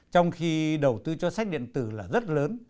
trong khi đầu tư cho sách điện tử là rất lớn